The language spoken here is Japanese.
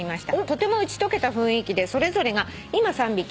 「とても打ち解けた雰囲気でそれぞれが『今３匹』